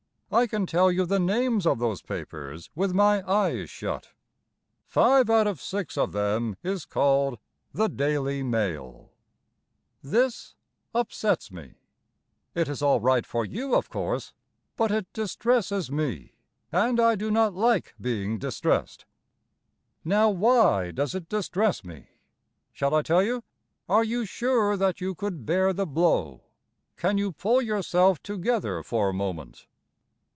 I can tell you the names of those papers With my eyes shut: Five out of six of them is called The Daily Mail. This upsets me. It is all right for you, of course, But it distresses me, And I do not like being distressed. Now, why does it distress me? Shall I tell you? Are you sure that you could bear the blow? Can you pull yourself together for a moment?